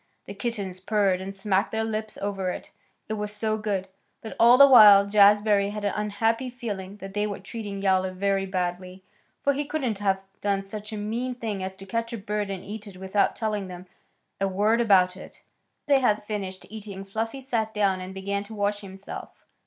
The kittens purred and smacked their lips over it, it was so good, but all the while Jazbury had an unhappy feeling that they were treating Yowler very badly, for he couldn't have done such a mean thing as to catch a bird and eat it without telling them a word about it. After they had finished eating Fluffy sat down and began to wash himself.